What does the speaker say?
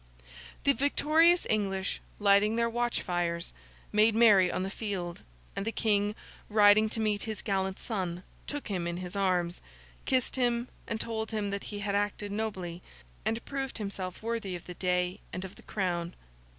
The victorious English, lighting their watch fires, made merry on the field, and the King, riding to meet his gallant son, took him in his arms, kissed him, and told him that he had acted nobly, and proved himself worthy of the day and of the crown.